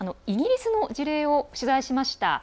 イギリスの事例を取材しました。